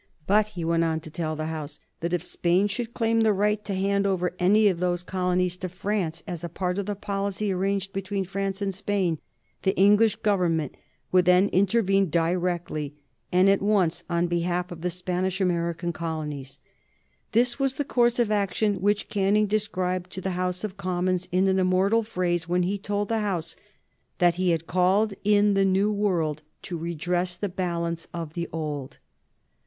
But he went on to tell the House that, if Spain should claim the right to hand over any of those colonies to France as a part of the policy arranged between France and Spain, the English Government would then intervene directly and at once on behalf of the Spanish American colonies. This was the course of action which Canning described to the House of Commons in an immortal phrase when he told the House "that he had called in the New World to redress the balance of the Old."